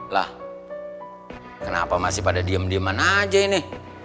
lah kenapa masih pada diem dieman aja ini